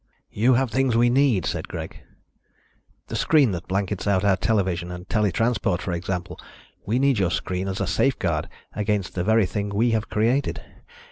"You have things we need," said Greg. "The screen that blankets out our television and tele transport, for example. We need your screen as a safeguard against the very thing we have created.